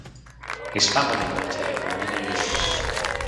His family lived here for many years.